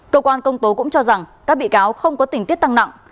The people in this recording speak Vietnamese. cơ quan công tố cũng cho rằng các bị cáo không có tình tiết tăng nặng